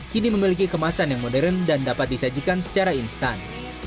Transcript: kini memiliki kemasan yang modern dan dapat disajikan secara instan